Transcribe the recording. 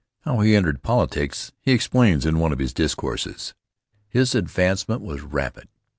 How he entered politics he explains in one of his discourses. His advancement was rapid.